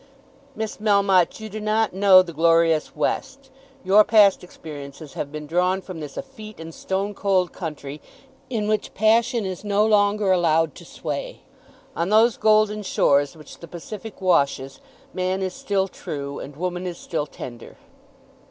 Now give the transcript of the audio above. "Miss Melmotte, you do not know the glorious west. Your past experiences have been drawn from this effete and stone cold country in which passion is no longer allowed to sway. On those golden shores which the Pacific washes man is still true, and woman is still tender."